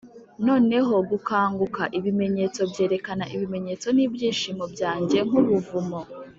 'noneho gukanguka ibimenyetso byerekana ibimenyetso n'ibyishimo byanjye nk'ubuvumo